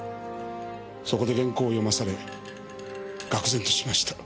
そこで原稿を読まされ愕然としました。